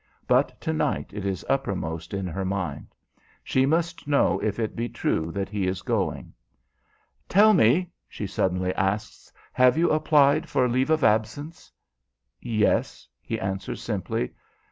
But to night it is uppermost in her mind. She must know if it be true that he is going. "Tell me," she suddenly asks, "have you applied for leave of absence?" "Yes," he answers, simply.